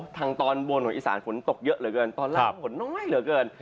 ทางตอนบนของอีสานฝนตกเยอะเหลือเกินตอนล่างฝนน้อยเหลือเกิน